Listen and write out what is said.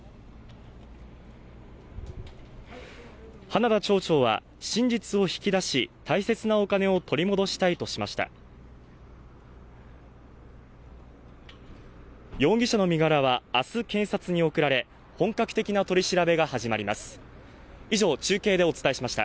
花田町長は真実を引き出し大切なお金を取り戻したいとしました容疑者の身柄はあす検察に送られ本格的な取り調べが始まります